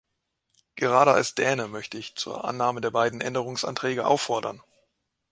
Gerade als Däne möchte ich zur Annahme der beiden Änderungsanträge auffordern.